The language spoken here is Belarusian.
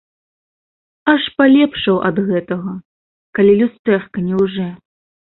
Аж палепшаў ад гэтага, калі люстэрка не лжэ.